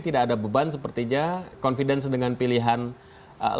tidak ada beban sepertinya confidence dengan pilihan presiden